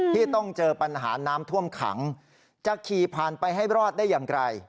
ที่ต้องเจอปัญหาน้ำท่วมขังจะขี่ผ่านไปให้รอดได้อย่างไร